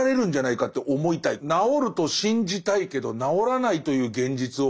治ると信じたいけど治らないという現実を受け止めろという。